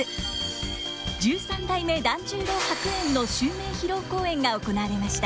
十三代團十郎白猿の襲名披露公演が行われました。